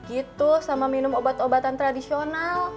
gitu sama minum obat obatan tradisional